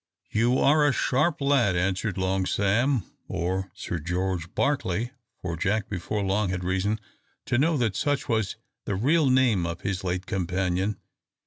"You are a sharp lad," answered Long Sam, or Sir George Barclay, for Jack before long had reason to know that such was the real name of his late companion.